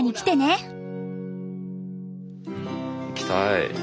行きたい。